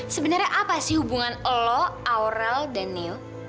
sebenernya apa sih hubungan lo aurel dan neo